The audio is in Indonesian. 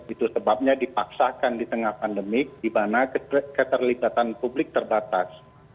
itu sebabnya dipaksakan di tengah pandemik di mana keterlibatan publik terbatas